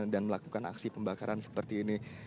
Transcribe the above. dan melakukan aksi pembakaran seperti ini